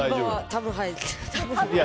多分、はい。